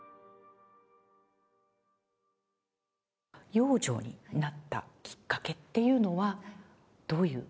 養女になったきっかけっていうのは、どういう？